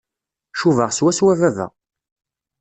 Cubaɣ swaswa baba.